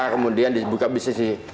kemudian dibuka bisnis di sana